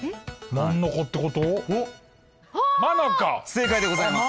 正解でございます。